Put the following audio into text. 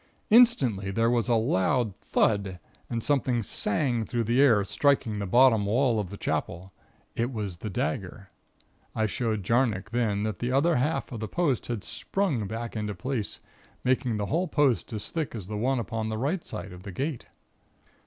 Instantly there was a loud thud, and something sang through the air, striking the bottom wall of the Chapel. It was the dagger. I showed Jarnock then that the other half of the post had sprung back into place, making the whole post as thick as the one upon the right hand side of the gate.